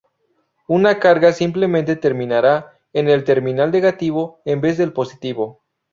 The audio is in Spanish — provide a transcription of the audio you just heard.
Una carga simplemente terminará en el terminal negativo, en vez del positivo.